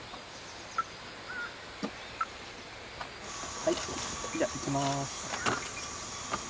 はいじゃあいきます。